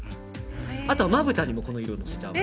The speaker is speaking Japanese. あとはまぶたにもこの色をのせちゃうの。